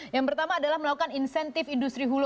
yang pertama adalah melakukan insentif industri hulu